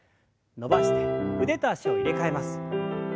伸ばして腕と脚を入れ替えます。